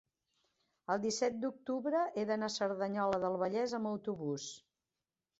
el disset d'octubre he d'anar a Cerdanyola del Vallès amb autobús.